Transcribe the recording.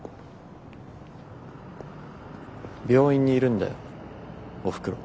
病院にいるんだよおふくろ。